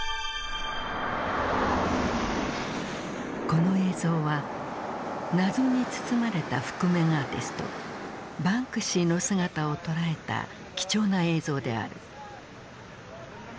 この映像は謎に包まれた覆面アーティストバンクシーの姿を捉えた貴重な映像である。